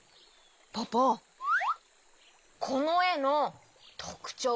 ポポこのえのとくちょうをおしえて。